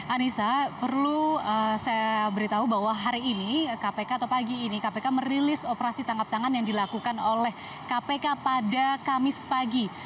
anissa perlu saya beritahu bahwa hari ini kpk atau pagi ini kpk merilis operasi tangkap tangan yang dilakukan oleh kpk pada kamis pagi